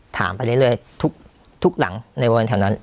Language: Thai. ถามไปเรื่อยทุกหลังในบริเวณแถวนั้น